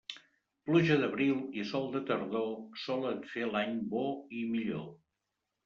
Pluja d'abril i sol de tardor, solen fer l'any bo i millor.